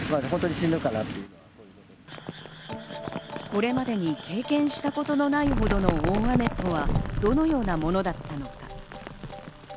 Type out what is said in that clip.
これまでに経験したことのないほどの大雨とはどのようなものだったのか。